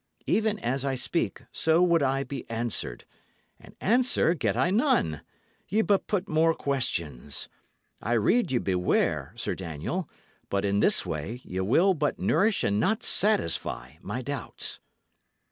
Even as I speak, so would I be answered. And answer get I none! Ye but put more questions. I rede ye be ware, Sir Daniel; for in this way ye will but nourish and not satisfy my doubts."